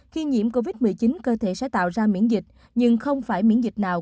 khi nhiễm covid một mươi chín cơ thể sẽ tạo ra miễn dịch nhưng không phải miễn dịch nào